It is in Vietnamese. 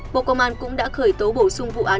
bộ công an cũng đã khởi tố bổ sung vụ án